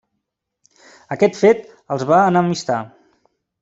Aquest fet els va enemistar.